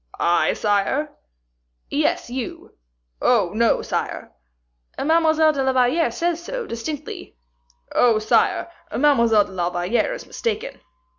"I, sire?" "Yes, you." "Oh, no, sire." "Mademoiselle de la Valliere says so, distinctly." "Oh, sire, Mademoiselle de la Valliere is mistaken."